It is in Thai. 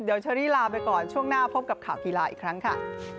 เดี๋ยวเชอรี่ลาไปก่อนช่วงหน้าพบกับข่าวกีฬาอีกครั้งค่ะ